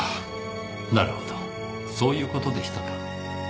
なるほどそういう事でしたか。